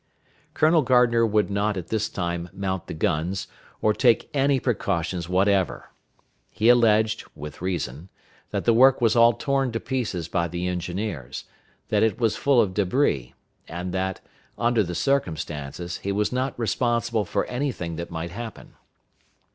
Colonel Gardner would not at this time mount the guns, or take any precautions whatever. He alleged, with reason, that the work was all torn to pieces by the engineers; that it was full of débris, and that, under the circumstances, he was not responsible for any thing that might happen.